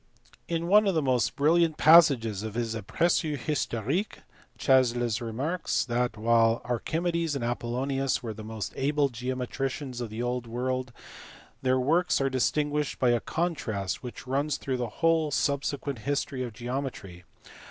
In one of the most brilliant passages of his Apergu histo rique Chasles remarks that, while Archimedes and Apollonius were the most able geometricians of the old world, their works are distinguished by a contrast which runs through the whole subsequent history of geometry.